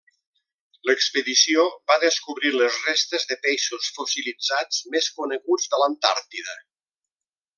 L'expedició va descobrir les restes de peixos fossilitzats més coneguts de l’Antàrtida.